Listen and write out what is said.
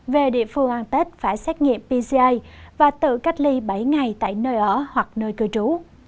về địa phương an tết phải xét nghiệm pci và tự cách ly bảy ngày tại nơi ở hoặc nơi cư trú